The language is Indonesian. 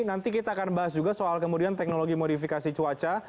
nanti kita akan bahas juga soal kemudian teknologi modifikasi cuaca